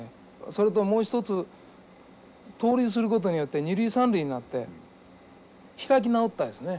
それともう一つ盗塁することによって二塁三塁になって開き直ったですね。